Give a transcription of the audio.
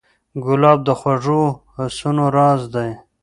ګلاب د خوږو حسونو راز دی.